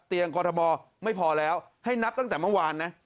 กรทมไม่พอแล้วให้นับตั้งแต่เมื่อวานนะ